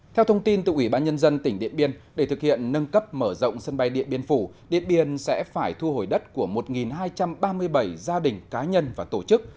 theo thông tin từ ủy ban nhân dân tỉnh điện biên để thực hiện nâng cấp mở rộng sân bay điện biên phủ điện biên sẽ phải thu hồi đất của một hai trăm ba mươi bảy gia đình cá nhân và tổ chức